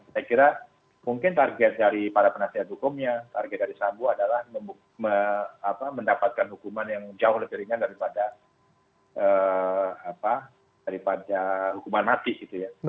saya kira mungkin target dari para penasihat hukumnya target dari sambo adalah mendapatkan hukuman yang jauh lebih ringan daripada hukuman mati gitu ya